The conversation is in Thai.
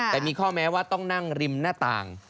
แต่มีข้อแม้ว่าต้องนั่งริมหน้าต่าง